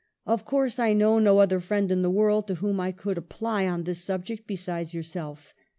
Of course, I know no other friend in the world to whom I could apply on this subject besides yourself.